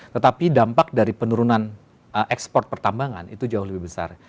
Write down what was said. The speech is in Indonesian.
tetapi dampak dari penurunan ekspor pertambangan itu jauh lebih besar